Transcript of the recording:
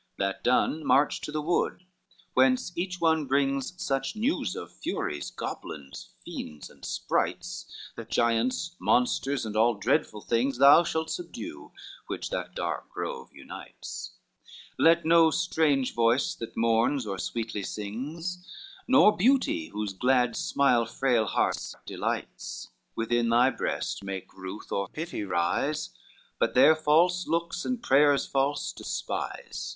X "That done, march to the wood, whence each one brings Such news of furies, goblins, fiends, and sprites, The giants, monsters, and all dreadful things Thou shalt subdue, which that dark grove unites: Let no strange voice that mourns or sweetly sings, Nor beauty, whose glad smile frail hearts delights, Within thy breast make ruth or pity rise, But their false looks and prayers false despise."